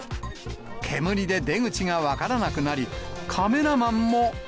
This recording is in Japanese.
煙で出口が分からなくなり、カメラマンも。